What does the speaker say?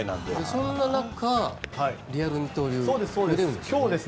そんな中、リアル二刀流が見られるんですか？